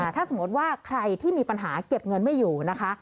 ถ้าสมมติว่าใครที่มีปัญหาเก็บเงินไม่อยู่นะคะ